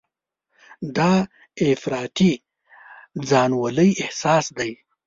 دا افراطي ځانولۍ احساس دی.